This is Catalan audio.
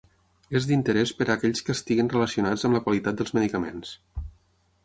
És d'interès per a aquells que estiguen relacionats amb la qualitat dels medicaments.